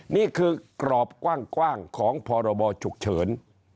นี่คือกรอบกว้างของพรบฉุกเฉิน